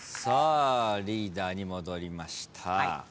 リーダーに戻りました。